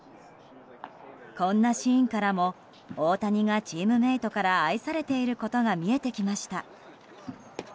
こんなシーンからも大谷がチームメートから愛されていることが見えてきました。